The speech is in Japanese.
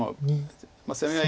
攻め合い